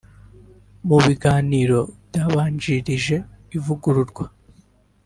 Mu biganiro byabanjirije ivugururwa